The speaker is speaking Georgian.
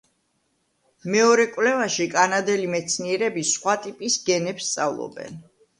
მეორე კვლევაში კანადელი მეცნიერები სხვა ტიპის გენებს სწავლობენ.